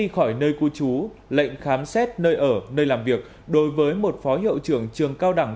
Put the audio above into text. khỏi nơi cư trú lệnh khám xét nơi ở nơi làm việc đối với một phó hiệu trưởng trường cao đẳng